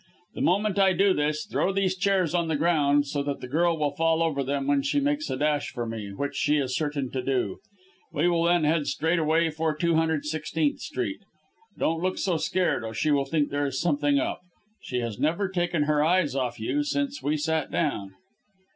The moment I do this, throw these chairs on the ground so that the girl will fall over them when she makes a dash for me, which she is certain to do. We will then head straight away for 216th Street. Don't look so scared or she will think there is something up. She has never taken her eyes off you since we sat down!"